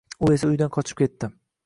U esa uydan qochib ketdi